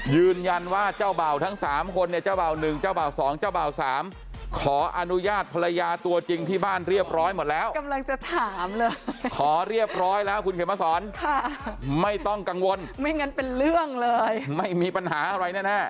ยืนยันว่าเจ้าบ่าวทั้ง๓คนเจ้าบ่าว๑เจ้าบ่าว๒เจ้าบ่าว๓ขออนุญาตภรรยาตัวจริงที่บ้านเรียบร้อยหมดแล้ว